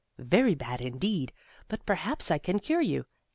Very bad, indeed! But perhaps I can cure you.